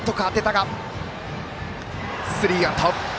スリーアウト。